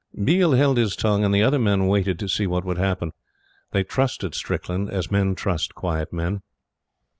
Biel held his tongue, and the other men waited to see what would happen. They trusted Strickland as men trust quiet men.